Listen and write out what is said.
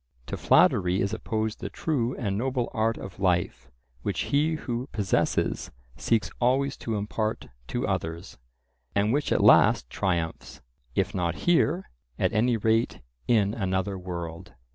To flattery is opposed the true and noble art of life which he who possesses seeks always to impart to others, and which at last triumphs, if not here, at any rate in another world.